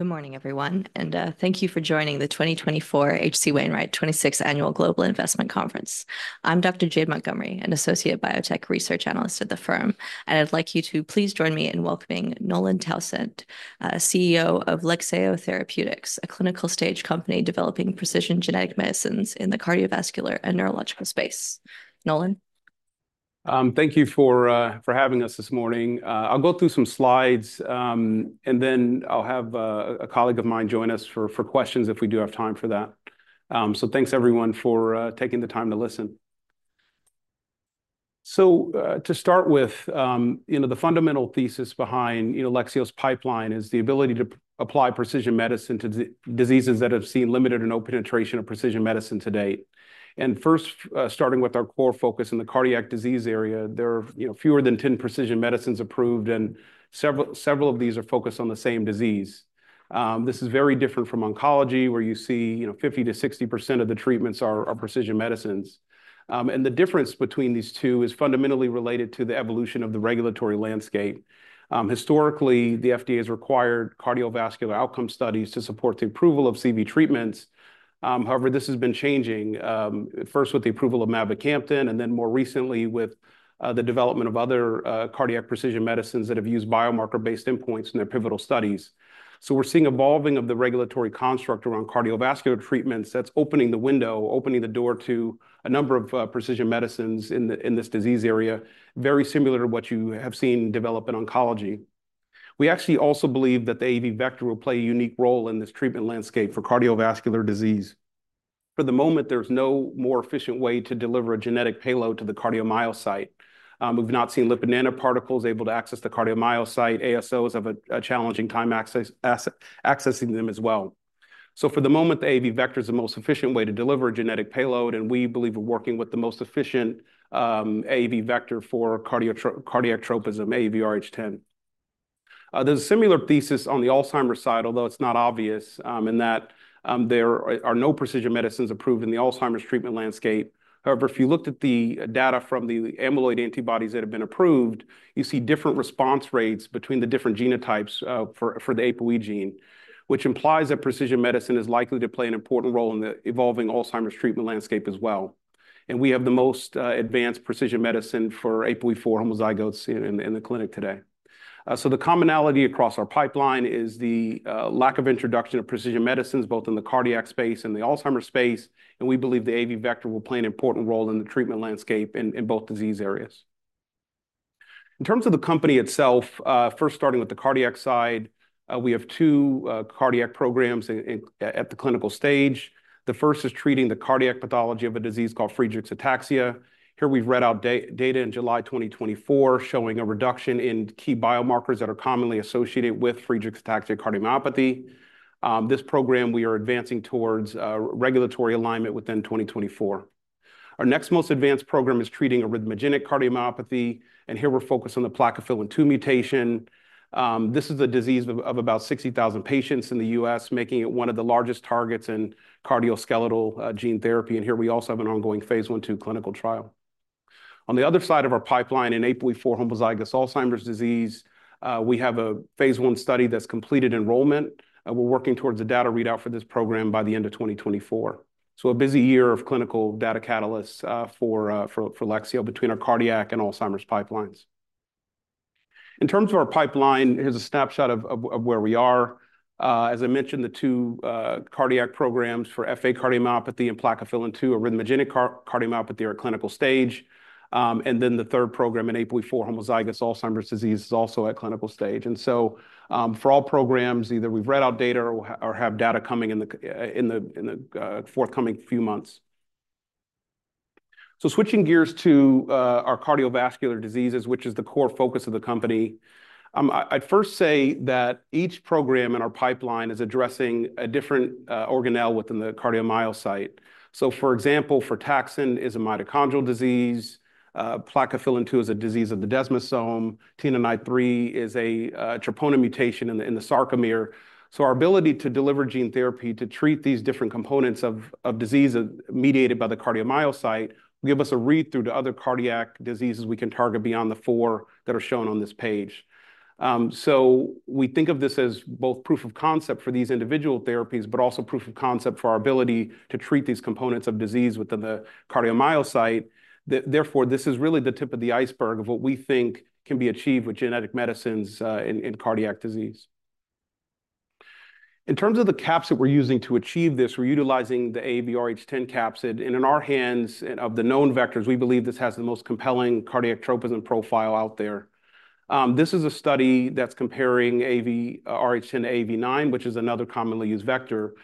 Good morning, everyone, and thank you for joining the 2024 H.C. Wainwright 26th Annual Global Investment Conference. I'm Dr. Jade Montgomery, an associate biotech research analyst at the firm, and I'd like you to please join me in welcoming Nolan Townsend, CEO of Lexeo Therapeutics, a clinical-stage company developing precision genetic medicines in the cardiovascular and neurological space. Nolan? Thank you for having us this morning. I'll go through some slides, and then I'll have a colleague of mine join us for questions if we do have time for that. Thanks everyone for taking the time to listen. To start with, you know, the fundamental thesis behind, you know, Lexeo's pipeline is the ability to apply precision medicine to diseases that have seen limited or no penetration of precision medicine to date. First, starting with our core focus in the cardiac disease area, there are, you know, fewer than 10 precision medicines approved, and several of these are focused on the same disease. This is very different from oncology, where you see, you know, 50%-60% of the treatments are precision medicines. And the difference between these two is fundamentally related to the evolution of the regulatory landscape. Historically, the FDA has required cardiovascular outcome studies to support the approval of CV treatments. However, this has been changing, first with the approval of mavacamten, and then more recently with the development of other cardiac precision medicines that have used biomarker-based endpoints in their pivotal studies. So we're seeing evolving of the regulatory construct around cardiovascular treatments. That's opening the window, opening the door to a number of precision medicines in this disease area, very similar to what you have seen develop in oncology. We actually also believe that the AAV vector will play a unique role in this treatment landscape for cardiovascular disease. For the moment, there's no more efficient way to deliver a genetic payload to the cardiomyocyte. We've not seen lipid nanoparticles able to access the cardiomyocyte. ASOs have a challenging time accessing them as well. So for the moment, the AAV vector is the most efficient way to deliver a genetic payload, and we believe we're working with the most efficient AAV vector for cardiac tropism, AAVrh10. There's a similar thesis on the Alzheimer's side, although it's not obvious, in that there are no precision medicines approved in the Alzheimer's treatment landscape. However, if you looked at the data from the amyloid antibodies that have been approved, you see different response rates between the different genotypes for the APOE gene, which implies that precision medicine is likely to play an important role in the evolving Alzheimer's treatment landscape as well. We have the most advanced precision medicine for APOE4 homozygotes in the clinic today. The commonality across our pipeline is the lack of introduction of precision medicines, both in the cardiac space and the Alzheimer's space, and we believe the AAV vector will play an important role in the treatment landscape in both disease areas. In terms of the company itself, first starting with the cardiac side, we have two cardiac programs in the clinical stage. The first is treating the cardiac pathology of a disease called Friedreich's ataxia. Here, we've read out data in July 2024, showing a reduction in key biomarkers that are commonly associated with Friedreich's ataxia cardiomyopathy. This program, we are advancing towards regulatory alignment within 2024. Our next most advanced program is treating arrhythmogenic cardiomyopathy, and here we're focused on the plakophilin-2 mutation. This is a disease of about 60,000 patients in the U.S., making it one of the largest targets in cardioskeletal gene therapy, and here we also have an ongoing phase I/II clinical trial. On the other side of our pipeline, in APOE4 homozygous Alzheimer's disease, we have a phase I study that's completed enrollment. We're working towards a data readout for this program by the end of 2024, so a busy year of clinical data catalysts for Lexeo between our cardiac and Alzheimer's pipelines. In terms of our pipeline, here's a snapshot of where we are. As I mentioned, the two cardiac programs for FA cardiomyopathy and plakophilin-2 arrhythmogenic cardiomyopathy are at clinical stage. And then the third program in APOE4 homozygous Alzheimer's disease is also at clinical stage. And so, for all programs, either we've read out data or have data coming in the forthcoming few months. So switching gears to our cardiovascular diseases, which is the core focus of the company, I'd first say that each program in our pipeline is addressing a different organelle within the cardiomyocyte. So for example, frataxin is a mitochondrial disease, plakophilin-2 is a disease of the desmosome, TNNI3 is a troponin mutation in the sarcomere. So our ability to deliver gene therapy to treat these different components of disease mediated by the cardiomyocyte give us a readthrough to other cardiac diseases we can target beyond the four that are shown on this page. So we think of this as both proof of concept for these individual therapies, but also proof of concept for our ability to treat these components of disease within the cardiomyocyte. Therefore, this is really the tip of the iceberg of what we think can be achieved with genetic medicines in cardiac disease. In terms of the capsids that we're using to achieve this, we're utilizing the AAVrh10 capsid, and in our hands, of the known vectors, we believe this has the most compelling cardiac tropism profile out there. This is a study that's comparing AAVrh10 to AAV9, which is another commonly used vector,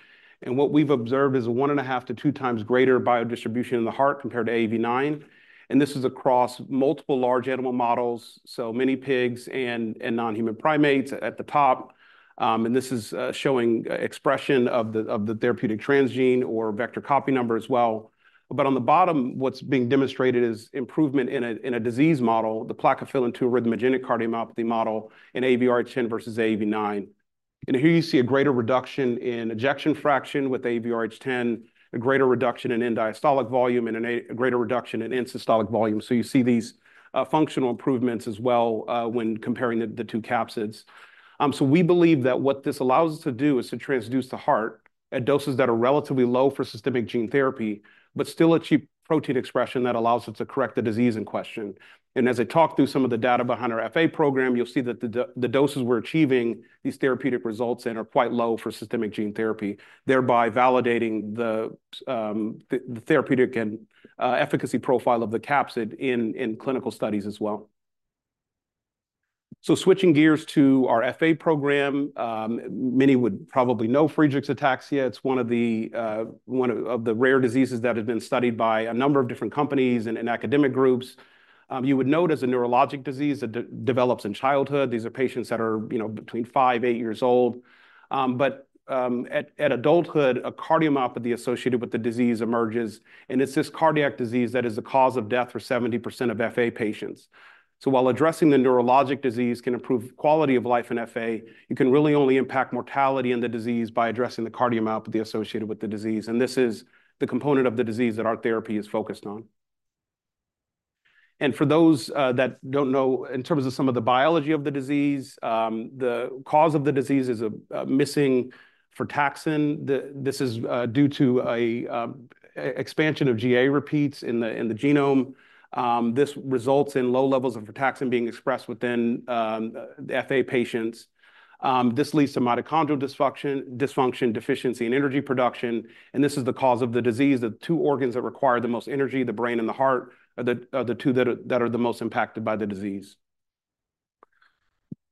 and what we've observed is a one and a half to two times greater biodistribution in the heart compared to AAV9, and this is across multiple large animal models, so minipigs and non-human primates at the top, and this is showing expression of the therapeutic transgene or vector copy number as well. But on the bottom, what's being demonstrated is improvement in a disease model, the plakophilin-2 arrhythmogenic cardiomyopathy model in AAVrh10 versus AAV9. Here you see a greater reduction in ejection fraction with AAVrh10, a greater reduction in end-diastolic volume, and a greater reduction in end-systolic volume, so you see these functional improvements as well when comparing the two capsids. So we believe that what this allows us to do is to transduce the heart at doses that are relatively low for systemic gene therapy, but still achieve protein expression that allows us to correct the disease in question. And as I talk through some of the data behind our FA program, you'll see that the doses we're achieving these therapeutic results in are quite low for systemic gene therapy, thereby validating the therapeutic and efficacy profile of the capsid in clinical studies as well. So switching gears to our FA program, many would probably know Friedreich's ataxia. It's one of the rare diseases that have been studied by a number of different companies and academic groups. You would note as a neurologic disease, it develops in childhood. These are patients that are, you know, between five, eight years old, but at adulthood, a cardiomyopathy associated with the disease emerges, and it's this cardiac disease that is the cause of death for 70% of FA patients, so while addressing the neurologic disease can improve quality of life in FA, you can really only impact mortality in the disease by addressing the cardiomyopathy associated with the disease, and this is the component of the disease that our therapy is focused on, and for those that don't know, in terms of some of the biology of the disease, the cause of the disease is a missing frataxin. This is due to an expansion of GAA repeats in the genome. This results in low levels of frataxin being expressed within the FA patients. This leads to mitochondrial dysfunction, deficiency, and energy production, and this is the cause of the disease. The two organs that require the most energy, the brain and the heart, are the two that are the most impacted by the disease.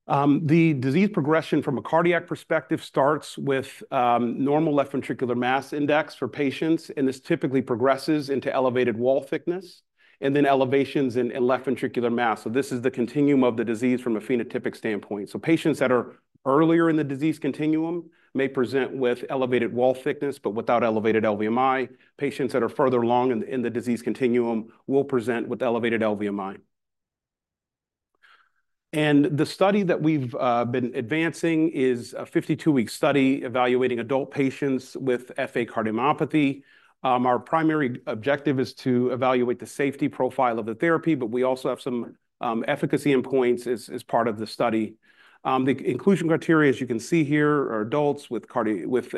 The disease progression from a cardiac perspective starts with normal left ventricular mass index for patients, and this typically progresses into elevated wall thickness, and then elevations in left ventricular mass, so this is the continuum of the disease from a phenotypic standpoint, so patients that are earlier in the disease continuum may present with elevated wall thickness, but without elevated LVMI. Patients that are further along in the disease continuum will present with elevated LVMI, and the study that we've been advancing is a 52-week study evaluating adult patients with FA cardiomyopathy. Our primary objective is to evaluate the safety profile of the therapy, but we also have some efficacy endpoints as part of the study. The inclusion criteria, as you can see here, are adults with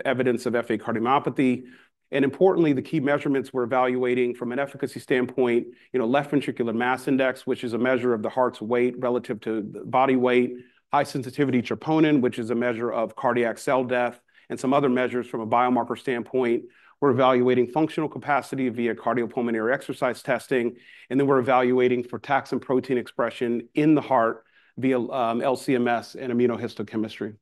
evidence of FA cardiomyopathy. Importantly, the key measurements we're evaluating from an efficacy standpoint, you know, left ventricular mass index, which is a measure of the heart's weight relative to the body weight, high-sensitivity troponin, which is a measure of cardiac cell death, and some other measures from a biomarker standpoint. We're evaluating functional capacity via cardiopulmonary exercise testing, and then we're evaluating frataxin protein expression in the heart via LC-MS and immunohistochemistry.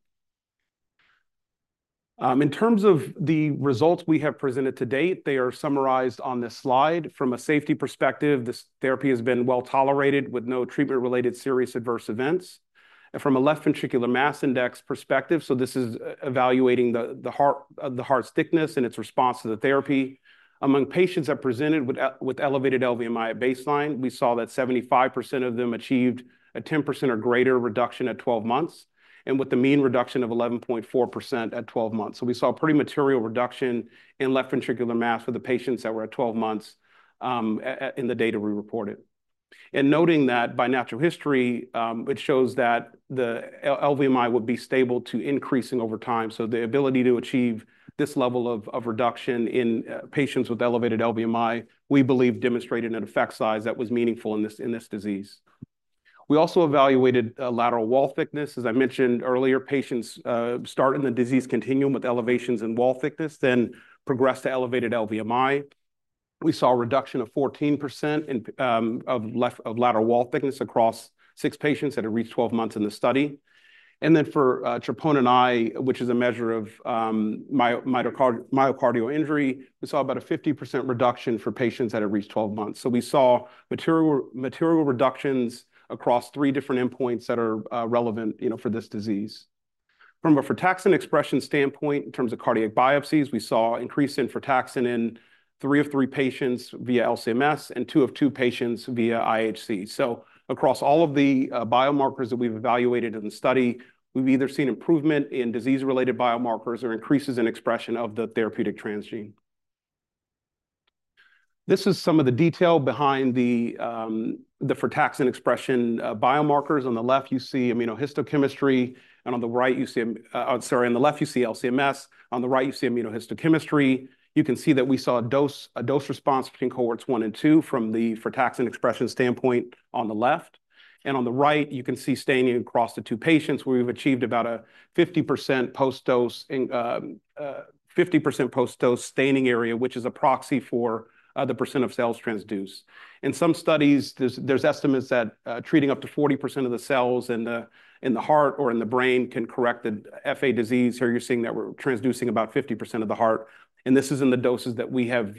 In terms of the results we have presented to date, they are summarized on this slide. From a safety perspective, this therapy has been well tolerated with no treatment-related serious adverse events. And from a left ventricular mass index perspective, so this is evaluating the heart's thickness and its response to the therapy. Among patients that presented with elevated LVMI at baseline, we saw that 75% of them achieved a 10% or greater reduction at 12 months, and with the mean reduction of 11.4% at 12 months. So we saw a pretty material reduction in left ventricular mass for the patients that were at 12 months in the data we reported. And noting that by natural history, which shows that the LVMI would be stable to increasing over time, so the ability to achieve this level of reduction in patients with elevated LVMI, we believe, demonstrated an effect size that was meaningful in this disease. We also evaluated lateral wall thickness. As I mentioned earlier, patients start in the disease continuum with elevations in wall thickness, then progress to elevated LVMI. We saw a reduction of 14% in of left lateral wall thickness across six patients that had reached 12 months in the study. And then for troponin I, which is a measure of myocardial injury, we saw about a 50% reduction for patients that had reached 12 months. So we saw material reductions across three different endpoints that are relevant, you know, for this disease. From a frataxin expression standpoint, in terms of cardiac biopsies, we saw increase in frataxin in three of three patients via LC-MS and two of two patients via IHC. So across all of the biomarkers that we've evaluated in the study, we've either seen improvement in disease-related biomarkers or increases in expression of the therapeutic transgene. This is some of the detail behind the frataxin expression biomarkers. On the left, you see LC-MS, on the right, you see immunohistochemistry. You can see that we saw a dose response between cohorts one and two from the frataxin expression standpoint on the left, and on the right, you can see staining across the two patients, where we've achieved about a 50% post-dose staining area, which is a proxy for the percent of cells transduced. In some studies, there's estimates that treating up to 40% of the cells in the heart or in the brain can correct the FA disease. Here you're seeing that we're transducing about 50% of the heart, and this is in the doses that we have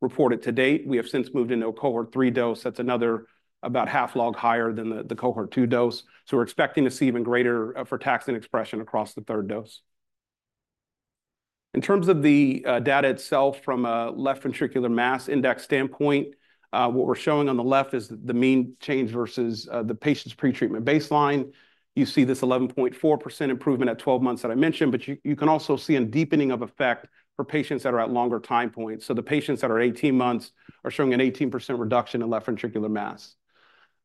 reported to date. We have since moved into a cohort three dose. That's another about half log higher than the cohort two dose. So we're expecting to see even greater frataxin expression across the third dose. In terms of the data itself from a left ventricular mass index standpoint, what we're showing on the left is the mean change versus the patient's pre-treatment baseline. You see this 11.4% improvement at 12 months that I mentioned, but you can also see a deepening of effect for patients that are at longer time points, so the patients that are 18 months are showing an 18% reduction in left ventricular mass,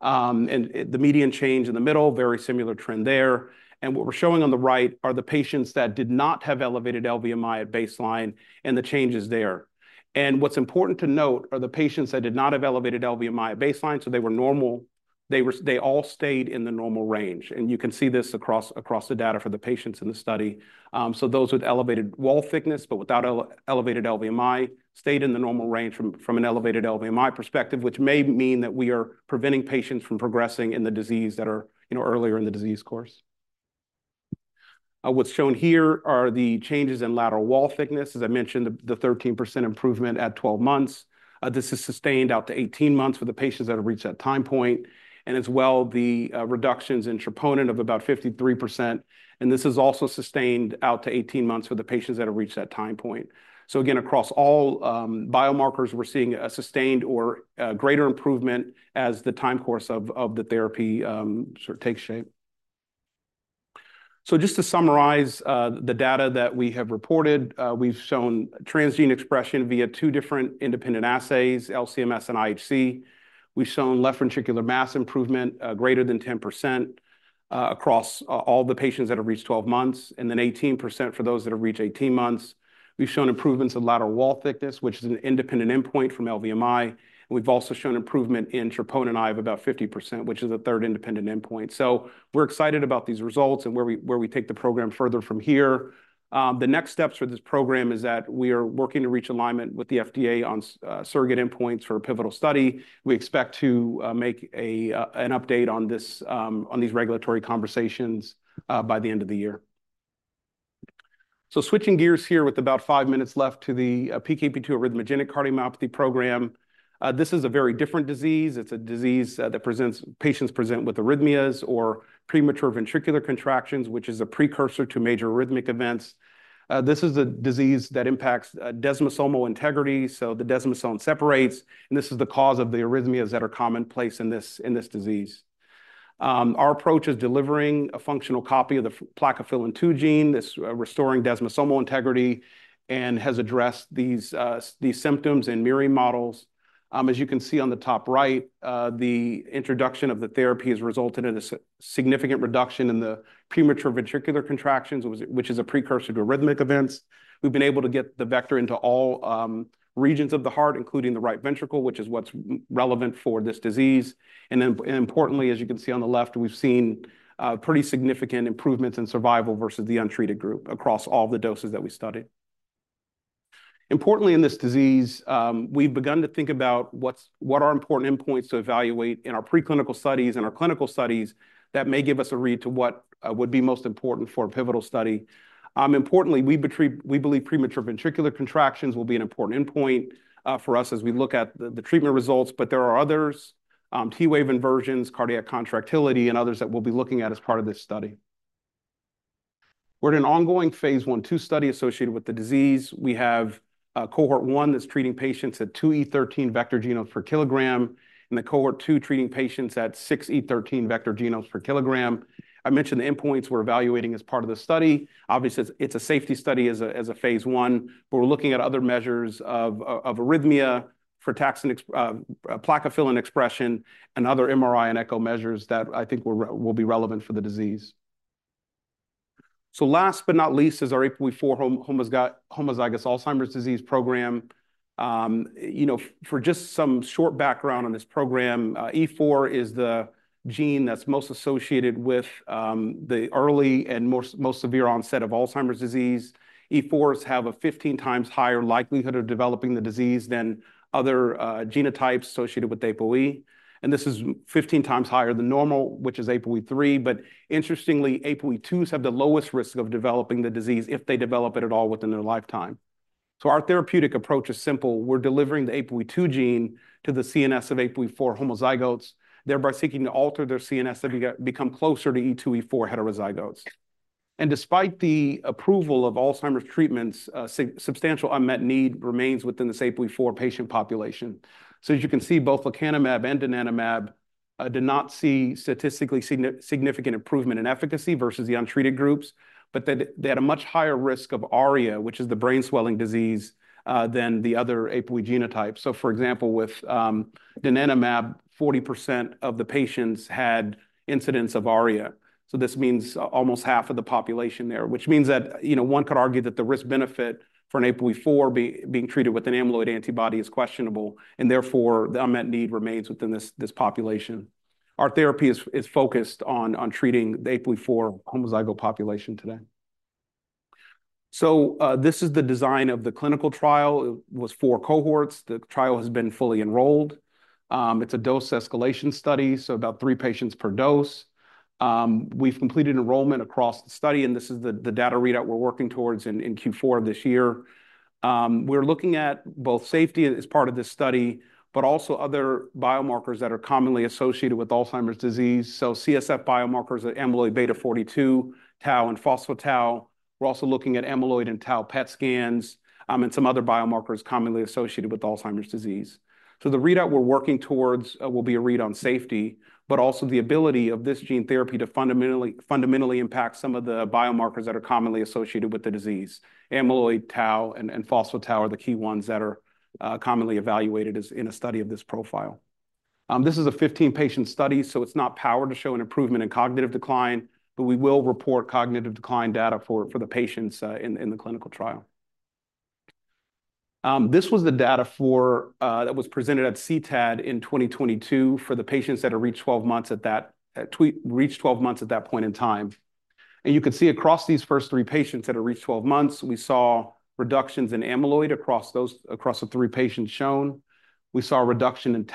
and the median change in the middle, very similar trend there, and what we're showing on the right are the patients that did not have elevated LVMI at baseline and the changes there, and what's important to note are the patients that did not have elevated LVMI at baseline, so they were normal. They all stayed in the normal range, and you can see this across the data for the patients in the study. Those with elevated wall thickness, but without elevated LVMI, stayed in the normal range from an elevated LVMI perspective, which may mean that we are preventing patients from progressing in the disease that are, you know, earlier in the disease course. What's shown here are the changes in lateral wall thickness. As I mentioned, the 13% improvement at 12 months. This is sustained out to 18 months for the patients that have reached that time point, and as well, the reductions in troponin of about 53%, and this is also sustained out to 18 months for the patients that have reached that time point. Again, across all biomarkers, we're seeing a sustained or greater improvement as the time course of the therapy sort of takes shape. So just to summarize, the data that we have reported, we've shown transgene expression via two different independent assays, LC-MS and IHC. We've shown left ventricular mass improvement, greater than 10%, across all the patients that have reached 12 months, and then 18% for those that have reached 18 months. We've shown improvements in lateral wall thickness, which is an independent endpoint from LVMI. We've also shown improvement in troponin I of about 50%, which is a third independent endpoint. So we're excited about these results and where we take the program further from here. The next steps for this program is that we are working to reach alignment with the FDA on surrogate endpoints for a pivotal study. We expect to make an update on these regulatory conversations by the end of the year, switching gears here with about five minutes left to the PKP2 arrhythmogenic cardiomyopathy program. This is a very different disease. It's a disease that patients present with arrhythmias or premature ventricular contractions, which is a precursor to major arrhythmic events. This is a disease that impacts desmosomal integrity, so the desmosome separates, and this is the cause of the arrhythmias that are commonplace in this disease. Our approach is delivering a functional copy of the plakophilin-2 gene, restoring desmosomal integrity and has addressed these symptoms in murine models. As you can see on the top right, the introduction of the therapy has resulted in a significant reduction in the premature ventricular contractions, which is a precursor to arrhythmic events. We've been able to get the vector into all regions of the heart, including the right ventricle, which is what's most relevant for this disease. Importantly, as you can see on the left, we've seen pretty significant improvements in survival versus the untreated group across all the doses that we studied. Importantly, in this disease, we've begun to think about what are important endpoints to evaluate in our preclinical studies and our clinical studies that may give us a read to what would be most important for a pivotal study. Importantly, we believe premature ventricular contractions will be an important endpoint for us as we look at the treatment results, but there are others, T-wave inversions, cardiac contractility, and others that we'll be looking at as part of this study. We're in an ongoing phase I/II study associated with the disease. We have a cohort one that's treating patients at 2E13 vector genomes per kilogram, and the cohort two, treating patients at 6E13 vector genomes per kilogram. I mentioned the endpoints we're evaluating as part of the study. Obviously, it's a safety study as a phase I, but we're looking at other measures of arrhythmia, frataxin expression and other MRI and echo measures that I think will be relevant for the disease. So last but not least, is our APOE4 homozygous Alzheimer's disease program. You know, for just some short background on this program, E4 is the gene that's most associated with the early and most severe onset of Alzheimer's disease. E4s have a fifteen times higher likelihood of developing the disease than other genotypes associated with APOE, and this is fifteen times higher than normal, which is APOE3. But interestingly, APOE2s have the lowest risk of developing the disease if they develop it at all within their lifetime. So our therapeutic approach is simple: we're delivering the APOE2 gene to the CNS of APOE4 homozygotes, thereby seeking to alter their CNS to become closer to E2, E4 heterozygotes. And despite the approval of Alzheimer's treatments, substantial unmet need remains within the APOE4 patient population. As you can see, both lecanemab and donanemab did not see statistically significant improvement in efficacy versus the untreated groups, but they had a much higher risk of ARIA, which is the brain swelling disease, than the other APOE genotypes. For example, with donanemab, 40% of the patients had incidents of ARIA. This means almost half of the population there, which means that, you know, one could argue that the risk-benefit for an APOE4 being treated with an amyloid antibody is questionable, and therefore, the unmet need remains within this population. Our therapy is focused on treating the APOE4 homozygote population today. This is the design of the clinical trial. It was four cohorts. The trial has been fully enrolled. It's a dose escalation study, so about three patients per dose. We've completed enrollment across the study, and this is the data readout we're working towards in Q4 of this year. We're looking at both safety as part of this study, but also other biomarkers that are commonly associated with Alzheimer's disease. So CSF biomarkers are amyloid beta 42, tau, and phospho-tau. We're also looking at amyloid and tau PET scans, and some other biomarkers commonly associated with Alzheimer's disease. So the readout we're working towards will be a read on safety, but also the ability of this gene therapy to fundamentally impact some of the biomarkers that are commonly associated with the disease. Amyloid, tau, and phospho-tau are the key ones that are commonly evaluated as in a study of this profile. This is a fifteen-patient study, so it's not powered to show an improvement in cognitive decline, but we will report cognitive decline data for the patients in the clinical trial. This was the data that was presented at CTAD in 2022 for the patients that had reached twelve months at that point in time, and you can see across these first three patients that have reached twelve months, we saw reductions in amyloid across those three patients shown. We also saw reductions in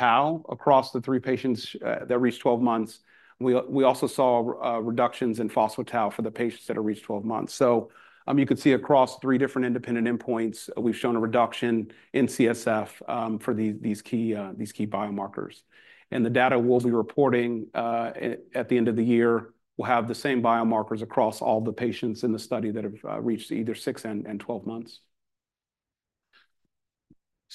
phospho-tau for the patients that have reached twelve months. You can see across three different independent endpoints, we've shown a reduction in CSF for these key biomarkers. The data we'll be reporting at the end of the year will have the same biomarkers across all the patients in the study that have reached either six and twelve months.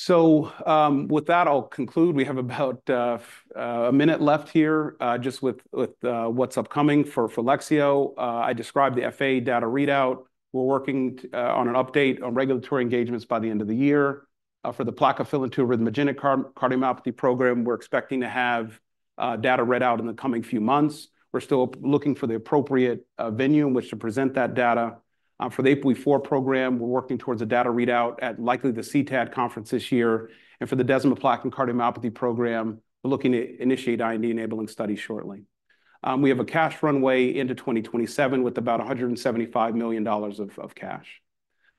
With that, I'll conclude. We have about a minute left here just with what's upcoming for Lexeo. I described the FA data readout. We're working on an update on regulatory engagements by the end of the year. For the plakophilin-2 arrhythmogenic cardiomyopathy program, we're expecting to have data read out in the coming few months. We're still looking for the appropriate venue in which to present that data. For the APOE4 program, we're working towards a data readout at likely the CTAD conference this year. And for the desmoplakin cardiomyopathy program, we're looking to initiate IND-enabling studies shortly. We have a cash runway into 2027 with about $175 million of cash.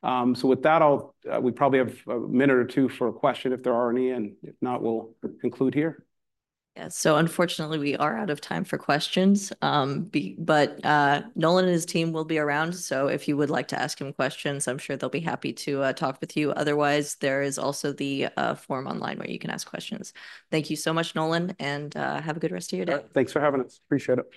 So with that, we probably have a minute or two for a question, if there are any, and if not, we'll conclude here. Yeah. So unfortunately, we are out of time for questions. But Nolan and his team will be around, so if you would like to ask him questions, I'm sure they'll be happy to talk with you. Otherwise, there is also the form online where you can ask questions. Thank you so much, Nolan, and have a good rest of your day. Thanks for having us. Appreciate it.